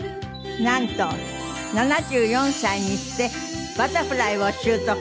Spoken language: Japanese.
なんと７４歳にしてバタフライを習得。